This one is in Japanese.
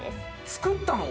作ったの？